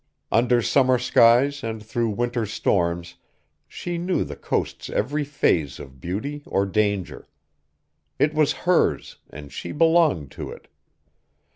Under summer skies and through winter's storms she knew the coast's every phase of beauty or danger. It was hers, and she belonged to it.